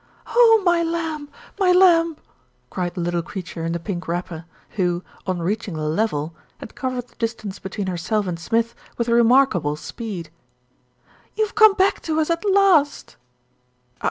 "Oh, my lamb, my lamb!" cried the little creature in the pink wrapper, who, on reaching the level, had covered the distance between herself and Smith with remarkable speed. "You've come back to us at last!"